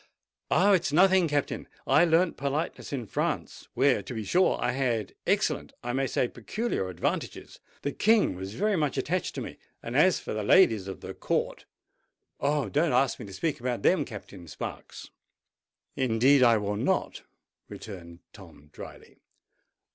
"Oh! it's nothing, Captain. I learnt politeness in France, where, to be sure, I had excellent—I may say peculiar advantages. The King was very much attached to me—and as for the ladies of the Court—Oh! don't ask me to speak about them, Captain Sparks!" "Indeed I will not," returned Tom drily.